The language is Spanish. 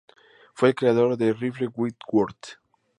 Fue el creador del rifle Whitworth.